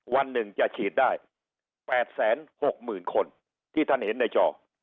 วันหนึ่งจะฉีดได้๘๖๐๐๐คนที่ท่านเห็นในจอ